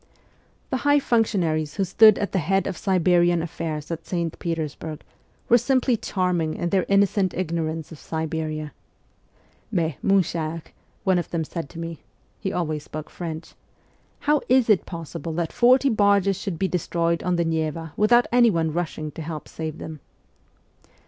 The high functionaries who stood at the head of SIBERIA 229 Siberian affairs at St. Petersburg were simply charming in their innocent ignorance of Siberia. 'Mais, mon cher,' one of them said to me he always spoke French ' how is it possible that forty barges should be destroyed on the Neva without anyone rushing to help save them